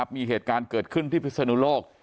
มีเหตุการณ์เกิดขึ้นที่พิศนุโลก